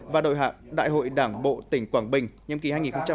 và đội hạ đại hội đảng bộ tỉnh quảng bình nhiệm kỳ hai nghìn hai mươi hai nghìn hai mươi năm